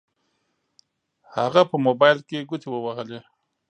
هغه په موبايل کې ګوتې ووهلې.